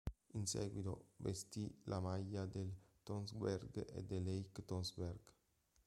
In seguito, vestì la maglia del Tønsberg e dell'Eik-Tønsberg.